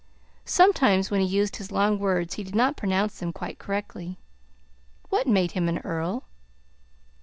(Sometimes when he used his long words he did not pronounce them quite correctly.) "What made him an earl?"